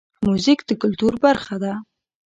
موزیک د کلتور برخه ده.